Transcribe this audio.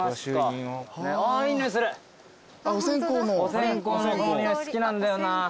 お線香のこの匂い好きなんだよな。